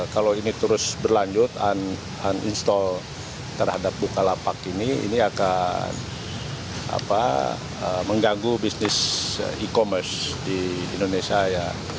kalau ini terus berlanjut uninstall terhadap bukalapak ini ini akan mengganggu bisnis e commerce di indonesia ya